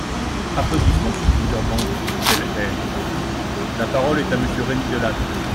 (Applaudissements sur plusieurs bancs du groupe LR.) La parole est à Monsieur Rémi Delatte.